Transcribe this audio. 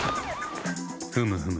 ふむふむ。